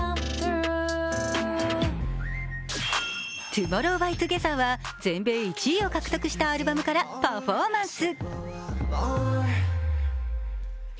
ＴＯＭＯＲＲＯＷＸＴＯＧＥＴＨＥＲは全米１位を獲得したアルバムからパフォーマンス。